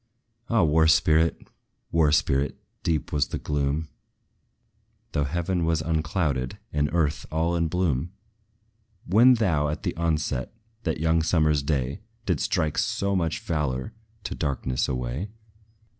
Ah, War spirit! War spirit, deep was the gloom, Though heaven was unclouded, and earth all in bloom, When thou, at the onset, that young summer's day, Didst strike so much valor to darkness away!